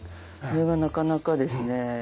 これがなかなかですね